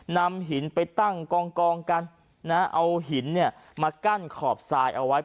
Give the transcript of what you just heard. นำหินไปตั้งกองกันนะเอาหินเนี่ยมากั้นขอบทรายเอาไว้